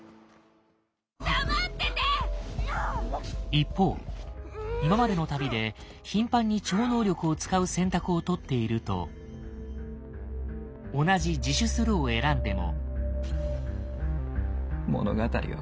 一方今までの旅で頻繁に超能力を使う選択を取っていると同じ「自首する」を選んでも。